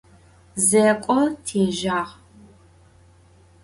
Zêk'o têjağ.